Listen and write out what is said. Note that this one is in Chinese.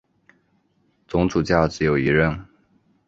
总主教只有一任。